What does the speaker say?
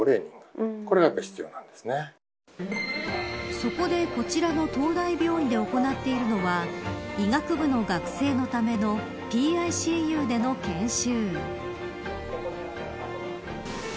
そこで、こちらの東大病院で行っているのは医学部の学生のためのＰＩＣＵでの研修。